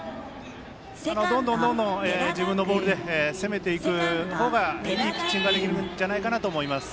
どんどん自分のボールで攻めていく方がいいピッチングができるんじゃないかなと思います。